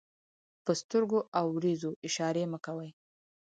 په سترګو او وريځو اشارې مه کوئ!